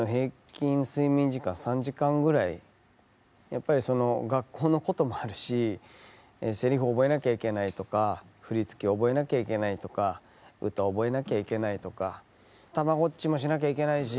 やっぱりその学校のこともあるしセリフ覚えなきゃいけないとか振り付け覚えなきゃいけないとか歌覚えなきゃいけないとかたまごっちもしなきゃいけないし。